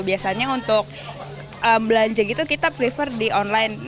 biasanya untuk belanja gitu kita prefer di online